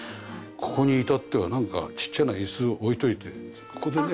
ここに至ってはなんかちっちゃな椅子を置いておいてここでね。